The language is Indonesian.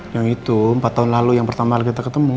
yang itu empat tahun lalu yang pertama kita ketemu